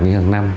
như hàng năm